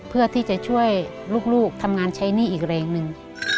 เพื่อที่จะช่วยลูกทำงานใช้หนี้อีกแรงหนึ่ง